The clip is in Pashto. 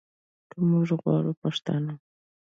که موږ غواړو پښتانه